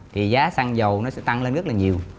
thì giá xăng dầu nó sẽ tăng lên rất là nhiều